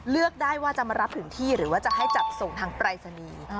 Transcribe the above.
เลือกได้ว่าจะมารับถึงที่หรือว่าจะให้จัดส่งทางปรายศนีย์